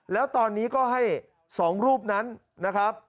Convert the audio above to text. แล้วตอนนี้ก็ให้๒รูปนั้นนะครับ